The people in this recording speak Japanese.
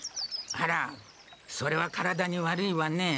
あらそれは体に悪いわね。